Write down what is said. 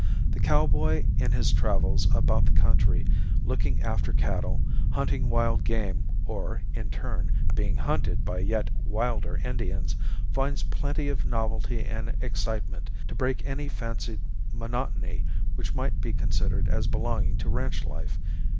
The cowboy in his travels about the country looking after cattle, hunting wild game or, in turn, being hunted by yet wilder Indians, finds plenty of novelty and excitement to break any fancied monotony which might be considered as belonging to ranch life.